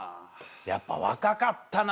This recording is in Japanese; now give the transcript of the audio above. やっぱ若かったな。